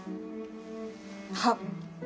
はっ。